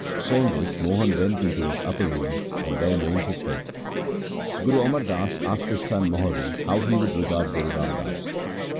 Saying this, Mohan went into his upper room and there mourned his fate. Guru Amar Das asked his son Mohri how he would regard Guru Ram Das.